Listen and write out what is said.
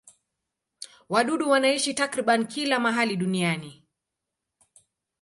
Wadudu wanaishi takriban kila mahali duniani.